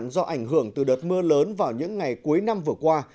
do ảnh hưởng từ đợt mưa lớn vào những ngày cuối năm vừa qua